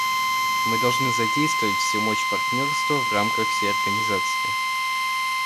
Мы должны задействовать всю мощь партнерства в рамках всей Организации.